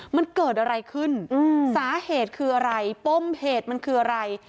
มันเกิดอะไรขึ้นสาเหตุคืออะไรป้มเหตุมันคืออะไร